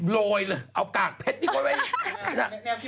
โรยเลยเอากากเพชรที่เขาไว้